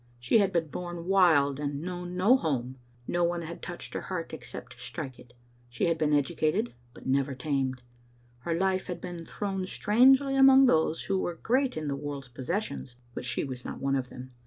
She had been born wild and known no home; no one had touched her heart except to strike it; she had been educated, but never tamed ; her life had been thrown strangely among those who were great in the world's possessions, but she was not of them.